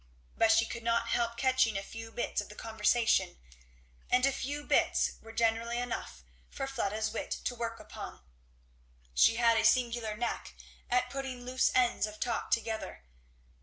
But she could not help catching a few bits of the conversation, and a few bits were generally enough for Fleda's wit to work upon; she had a singular knack at putting loose ends of talk together.